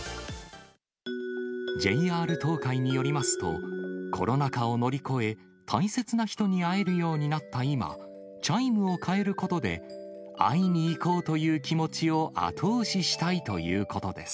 ＪＲ東海によりますと、コロナ禍を乗り越え、大切な人に会えるようになった今、チャイムを変えることで、会いにいこうという気持ちを後押ししたいということです。